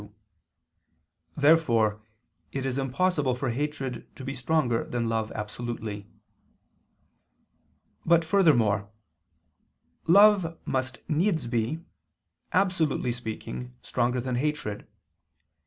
Therefore it is impossible for hatred to be stronger than love absolutely. But furthermore, love must needs be, absolutely speaking, stronger than hatred.